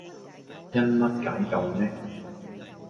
因乜解救呢